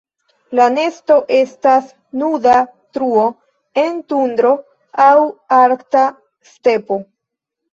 La nesto estas nuda truo en tundro aŭ arkta stepo.